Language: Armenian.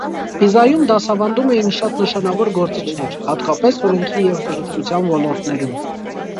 Պիզայում դասավանդում էին շատ նշանավոր գործիչներ, հատկապես օրենքի և բժշկության ոլորտներում։